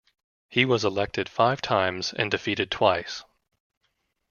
He was elected five times and defeated twice.